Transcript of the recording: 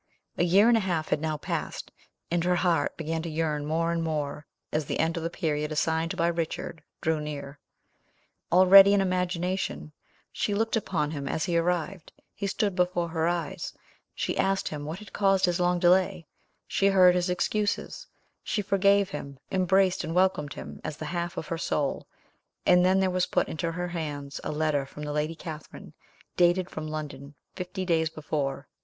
A year and a half had now passed, and her heart began to yearn more and more as the end of the period assigned by Richard drew near. Already, in imagination, she looked upon him as arrived; he stood before her eyes; she asked him what had caused his long delay; she heard his excuses; she forgave him, embraced and welcomed him as the half of her soul; and then there was put into her hands a letter from the lady Catherine, dated from London fifty days before.